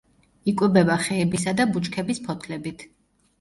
იკვებება ხეებისა და ბუჩქების ფოთლებით.